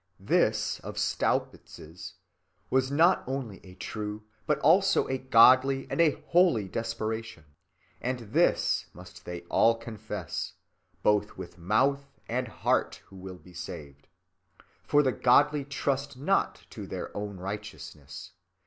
This (of Staupitz's) was not only a true, but also a godly and a holy desperation; and this must they all confess, both with mouth and heart, who will be saved. For the godly trust not to their own righteousness.